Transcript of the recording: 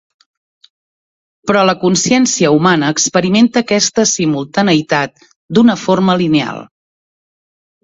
Però la consciència humana experimenta aquesta simultaneïtat d'una forma lineal.